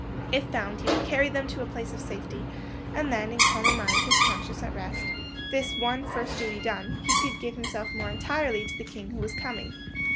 If found, he would carry them to a place of safety, and then, in calmer mind, his conscience at rest, this one first duty done, he could give himself more entirely to the King Who Was Coming.